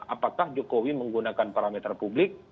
apakah jokowi menggunakan parameter publik